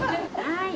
はい。